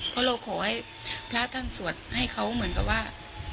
เพราะเราขอให้พระท่านสวดให้เขาเหมือนกับว่า